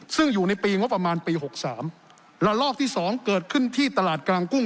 ซึ่งอยู่ในปีงบประมาณปีหกสามระลอกที่สองเกิดขึ้นที่ตลาดกลางกุ้ง